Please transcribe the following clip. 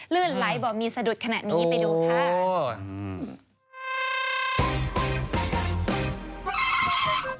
ลื่นไหลบ่อมีสะดุดขนาดนี้ไปดูค่ะ